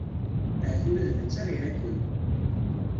Ahat ula d netta ira-ken.